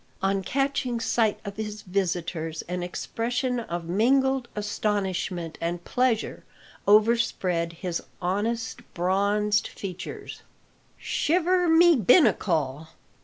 On catching sight of his visitors an expression of mingled astonishment and pleasure overspread his honest, bronzed features. [Illustration: 0057] "Shiver my binnacle!"